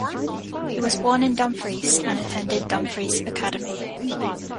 He was born in Dumfries and attended Dumfries Academy.